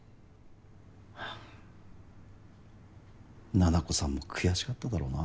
七菜子さんも悔しかっただろうな。